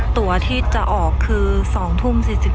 ตัวที่จะออกคือ๒ทุ่ม๔๔